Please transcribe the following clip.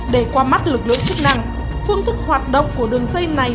để qua mắt lực lượng chức năng phương thức hoạt động của đường dây này